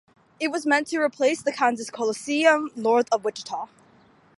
It was meant to replace the Kansas Coliseum north of Wichita.